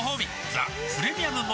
「ザ・プレミアム・モルツ」